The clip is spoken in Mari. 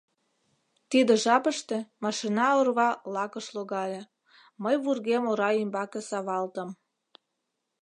Тиде жапыште машина орва лакыш логале, мый вургем ора ӱмбаке савалтым.